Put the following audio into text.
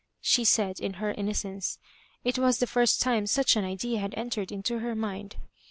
she said, in her innocence. It was the first time such an idea had entered into her mind.